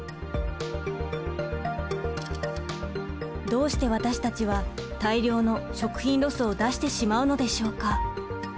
どうして私たちは大量の食品ロスを出してしまうのでしょうか？